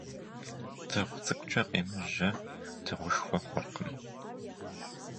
Дыгъу цӀыкӀукӀэ къемыжьэ дыгъушхуэ хъуркъым.